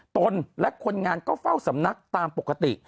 ตนและคนงานก็เฝ้าสำนักตามปกติ